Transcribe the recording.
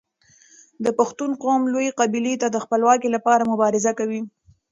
د پښتون قوم لويې قبيلې تل د خپلواکۍ لپاره مبارزه کوي.